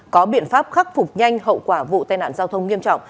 có biện pháp khắc phục nhanh hậu quả vụ tai nạn giao thông nghiêm trọng